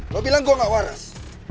lu bilang gua gak waras